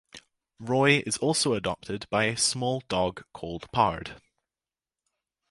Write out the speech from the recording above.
Roy also is adopted by a small dog called Pard.